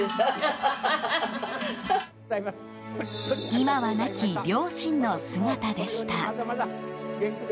今は亡き両親の姿でした。